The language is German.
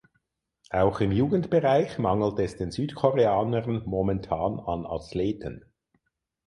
Auch im Jugendbereich mangelt es den Südkoreanern momentan an Athleten.